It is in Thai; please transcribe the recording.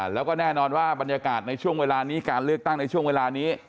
แล้วก็แน่นอนว่าบรรยากาศในช่วงเวลานี้การเลือกตั้งในช่วงเวลานี้